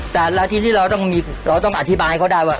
แต่ละทีที่เราต้องมีเราต้องอธิบายให้เขาได้ว่า